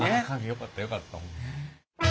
よかったよかった。